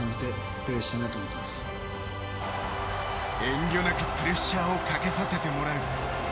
遠慮なくプレッシャーをかけさせてもらう。